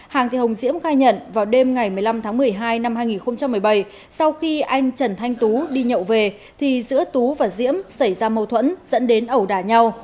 hàng thị hồng diễm khai nhận vào đêm ngày một mươi năm tháng một mươi hai năm hai nghìn một mươi bảy sau khi anh trần thanh tú đi nhậu về thì giữa tú và diễm xảy ra mâu thuẫn dẫn đến ẩu đả nhau